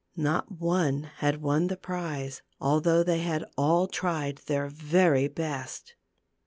Not one had won the prize, although they had all tried their i very best.